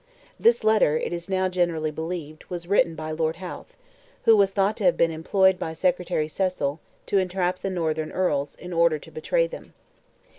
This letter, it is now generally believed, was written by Lord Howth, who was thought to have been employed by Secretary Cecil, to entrap the northern Earls, in order to betray them.